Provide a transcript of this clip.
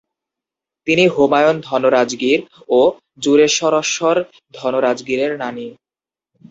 তিনি হুমায়ূন ধনরাজগীর ও দুরেশ্বরশ্বর ধনরাজগীরের নানী।